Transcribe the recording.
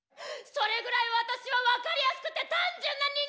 それぐらい私は分かりやすくて単純な人間だ！